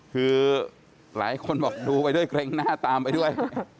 คือหลายคนบอกดูไปด้วยเกรงหน้าตามไปด้วย